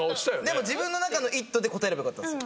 でも自分の中の「イット」で答えればよかったんすよ。